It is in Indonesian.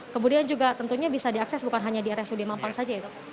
kemudian juga tentunya bisa diakses bukan hanya di rsud mampang saja ya dok